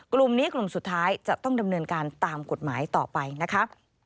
กลุ่มนี้กลุ่มสุดท้ายจะต้องดำเนินการตามกฎหมายต่อไปนะคะ